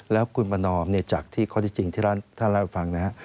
แล้วคุณประนอมเนี่ยจากที่ข้อที่จริงที่ท่านเล่าให้ฟังนะครับ